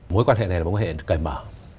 mối quan hệ này là mối quan hệ cải mở